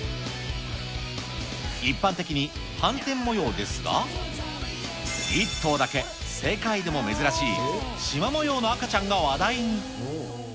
一般的に斑点模様ですが、１頭だけ世界でも珍しい、しま模様の赤ちゃんが話題に。